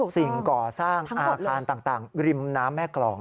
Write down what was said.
สิ่งก่อสร้างอาคารต่างริมน้ำแม่กรอง